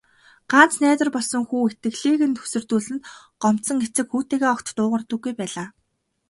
Ганц найдвар болсон хүү итгэлийг нь хөсөрдүүлсэнд гомдсон эцэг хүүтэйгээ огт дуугардаггүй байлаа.